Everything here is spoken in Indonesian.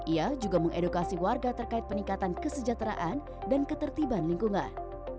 ia juga mengedukasi warga terkait peningkatan kesejahteraan dan ketertiban lingkungan